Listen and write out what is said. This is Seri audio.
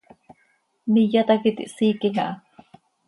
Miyat hac iti hsiiquim aha.